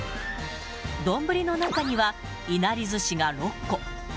丼の中には、いなりずしが６個。